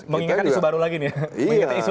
mengingatkan isu baru lagi